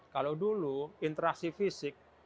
kalau dulu interaksi fisik